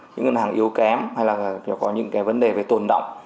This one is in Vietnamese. những ngân hàng yếu kém hay là có những cái vấn đề về tồn động